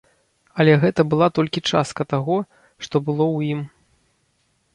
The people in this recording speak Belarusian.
Але гэта была толькі частка таго, што было ў ім.